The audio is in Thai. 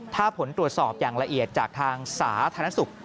ถ้าผลตรวจสอบอย่างละเอียดจากทางสาธารณสุข